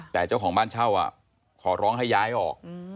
แต่เจ้าของบ้านเช่าขอร้องให้ย้ายออก